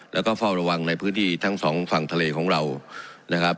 แล้วก็เฝ้าระวังในพื้นที่ทั้งสองฝั่งทะเลของเรานะครับ